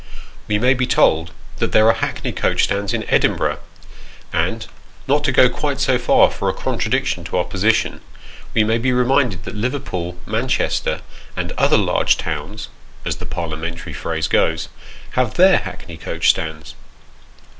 We may be told, that there are hackney coach stands in Edinburgh ; and not to go quite so far for a contradiction to our position, we may be reminded that Liverpool, Manchester, " and other large towns" (as the Parliamentary phrase goes), have their hackney coach stands.